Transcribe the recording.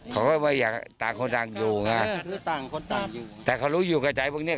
เขาก็ไม่อยากต่างคนต่างอยู่นะแต่เขารู้อยู่ใกล้ใจบ้างเนี่ย